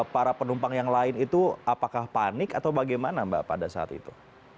para penumpang yang lain itu apakah panik atau bagaimana mbak pada saat itu